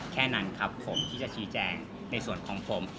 แค่นั้นครับผมที่จะชี้แจงในส่วนของผม